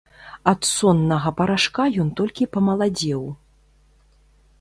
Ад соннага парашка ён толькі памаладзеў.